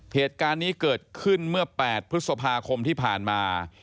เหตุการณ์นี้เกิดขึ้นเมื่อ๘พฤษภาคมที่ผ่านมา